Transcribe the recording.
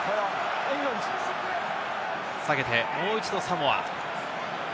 下げて、もう一度サモア。